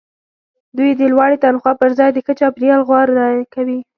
دوی د لوړې تنخوا پرځای د ښه چاپیریال غوره کوي